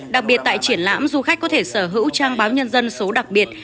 đặc biệt tại triển lãm du khách có thể sở hữu trang báo nhân dân số đặc biệt